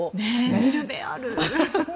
見る目ある！